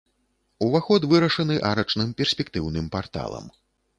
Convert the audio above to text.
Уваход вырашаны арачным перспектыўным парталам.